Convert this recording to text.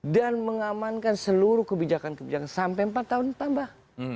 mengamankan seluruh kebijakan kebijakan sampai empat tahun tambah